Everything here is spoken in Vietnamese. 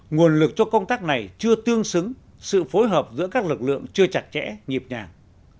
nguồn lực cho công tác này chưa tương xứng sự phối hợp giữa các lực lượng chưa chặt chẽ nhịp nhàng